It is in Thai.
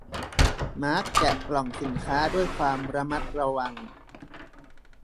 มาร์คแกะกล่องสินค้าด้วยความระมัดระวัง